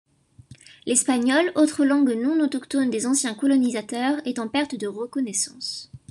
L'espagnol, autre langue non autochtone des anciens colonisateurs est en perte de reconnaissance.